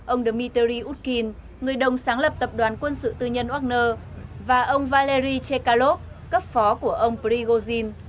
ông dmitry utkin người đồng sáng lập tập đoàn quân sự tư nhân wagner và ông valery chekalov cấp phó của ông prigozhin